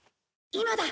今だ！